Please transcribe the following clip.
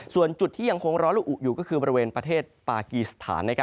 ส่วนจุดที่ยังคงร้อนละอุอยู่ก็คือบริเวณประเทศปากีสถาน